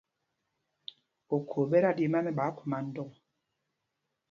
Okhô ɓɛ da ɗi ɓa nɛ ɓáákguma ndɔŋ.